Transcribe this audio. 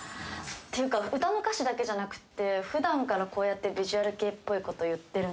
ていうか歌の歌詞だけじゃなくて普段からこうやってヴィジュアル系っぽいこと言ってるんですか？